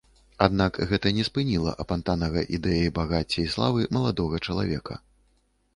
Аднак гэта не спыніла апантанага ідэяй багацця і славы маладога чалавека.